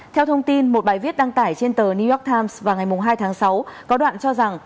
theo thông tin một bài viết đăng tải trên tờ new york times vào ngày hai tháng sáu có đoạn cho rằng